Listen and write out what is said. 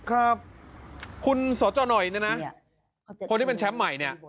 ครับคุณสจหน่อยเนี่ยนะคนที่เป็นแชมป์ใหม่เนี่ย